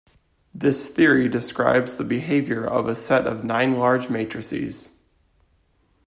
This theory describes the behavior of a set of nine large matrices.